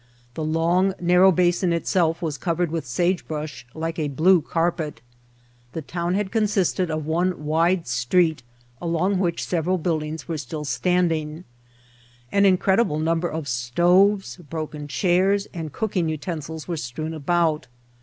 The long narrow basin itself was covered with sagebrush like a blue carpet. The town had consisted of one wide street along which several White Heart of Mojave buildings were still standing. An incredible number of stoves, broken chairs and cooking utensils were strewn about.